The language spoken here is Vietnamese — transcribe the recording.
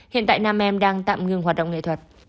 hiện tại nam em đang tạm ngừng hoạt động nghệ thuật